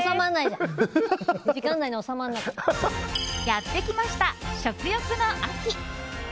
やってきました、食欲の秋。